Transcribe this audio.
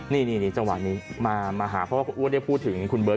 นี่จังหวะนี้มาหาเพราะอ้วนพูดถึงคุณเบิร์ต